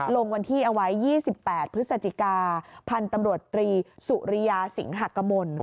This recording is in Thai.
ลงวันที่เอาไว้๒๘พฤศจิกาพันธ์ตำรวจตรีสุริยาสิงหากมล